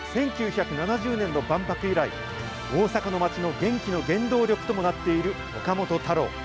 １９７０年の万博以来、大阪の街の元気の原動力ともなっている岡本太郎。